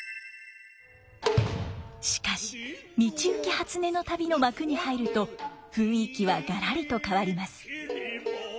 しかし「道行初音旅」の幕に入ると雰囲気はガラリと変わります。